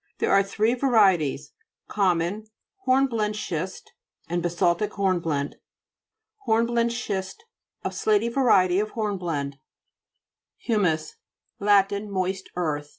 There are three varie ties ; common, hornblende schist, and basaltic hornblende. HORNBLENDE SCHIST A slaty varie ty of hornblende. HU'MTJS Lat. Moist earth.